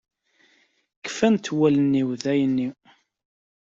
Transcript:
Kfan-t wallen-iw dayen-nni.